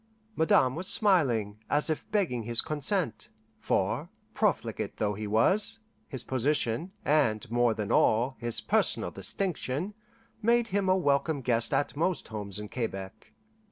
Madame was smiling, as if begging his consent; for, profligate though he was, his position, and more than all, his personal distinction, made him a welcome guest at most homes in Quebec.